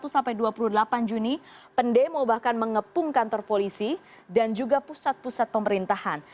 satu sampai dua puluh delapan juni pendemo bahkan mengepung kantor polisi dan juga pusat pusat pemerintahan